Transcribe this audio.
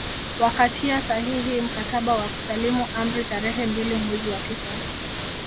Wakatia sahihi mkataba wa kusalimu amri tarehe mbili mwezi wa tisa